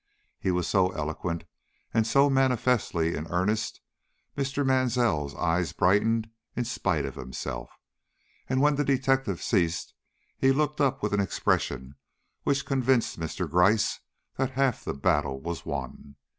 He was so eloquent, and so manifestly in earnest, Mr. Mansell's eye brightened in spite of himself, and when the detective ceased he looked up with an expression which convinced Mr. Gryce that half the battle was won.